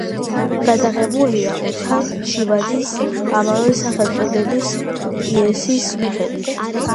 გადაღებულია ოთარ ჩიჯავაძის ამავე სახელწოდების პიესის მიხედვით.